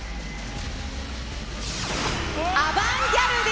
アバンギャルディ。